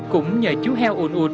cũng nhờ chú heo unut